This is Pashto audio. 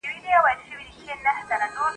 د «ګټو» تر لاسه کولو لپاره